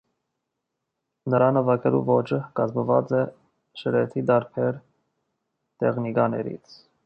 Նրա նվագելու ոճը կազմված է շռեդի տարբեր տեխնիկաներից։